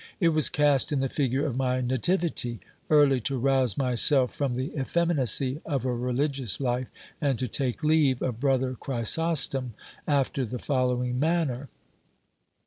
It was cast in the figure of my nativity, early to rouse myself from the effeminacy of a religious life, and to take leave of brother Chrysostom after the following manner.